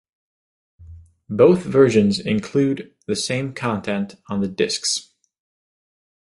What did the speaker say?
Both versions include the same content on the discs.